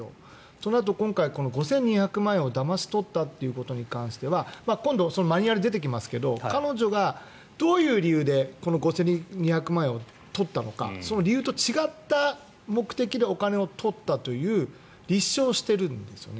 となると、今回５２００万円をだまし取ったことに関しては今度、マニュアル出てきますが彼女がどういう理由でこの５２００万円を取ったのかその理由と違った目的でお金を取ったという立証をしているんですよね。